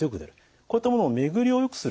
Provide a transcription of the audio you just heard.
こういったものを巡りをよくする。